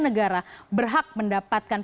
negara berhak mendapatkan